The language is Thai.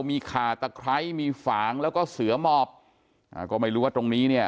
มีขาตะไคร้มีฝางแล้วก็เสือหมอบอ่าก็ไม่รู้ว่าตรงนี้เนี่ย